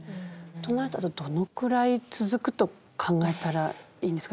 となるとあとどのくらい続くと考えたらいいんですか？